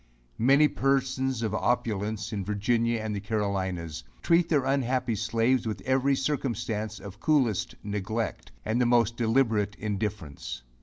Many persons of opulence in Virginia, and the Carolinas, treat their unhappy slaves with every circumstance of coolest neglect, and the most deliberate indifference.